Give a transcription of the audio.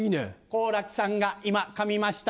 「好楽さんが今かみました」。